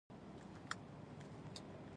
اتل تۀ وپېژندلې؟ اتل تاسې وپېژندلئ؟